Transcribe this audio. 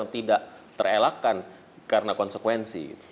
tidak terelakkan karena konsekuensi